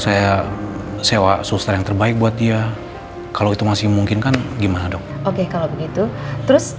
saya sewa suster yang terbaik buat dia kalau itu masih memungkinkan gimana dok oke kalau begitu terus